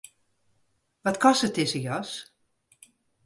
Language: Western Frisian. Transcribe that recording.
Wat kostet dizze jas?